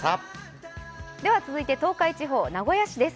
続いて東海地方名古屋市です。